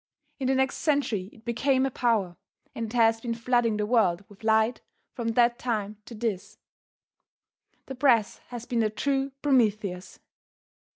In the next century it became a power, and it has been flooding the world with light from that time to this. The Press has been the true Prometheus.